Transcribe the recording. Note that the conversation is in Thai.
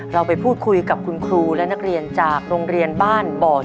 เราไปพูดคุยกับคุณครูและนักเรียนจากโรงเรียนบ้านบ่อ